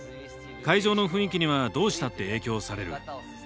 会場の雰囲気にはどうしたって影響される。